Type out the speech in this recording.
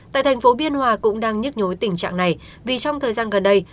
tại tp biên hòa cũng đang nhức nhối tình trạng này vì trong thời gian gần đây